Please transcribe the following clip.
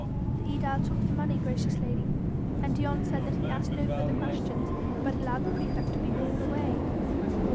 "The aedile took the money, gracious lady, and Dion said that he asked no further questions, but allowed the praefect to be borne away."